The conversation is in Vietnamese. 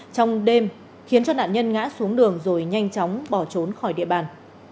trong đêm khiến cho nạn nhân ngã xuống đường rồi nhanh chóng bỏ trốn khỏi địa bàn